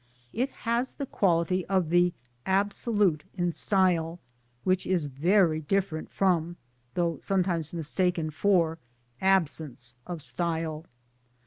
It has the quality of ' the absolute in style 'which is very different from, though sometimes mistaken for, absence of style.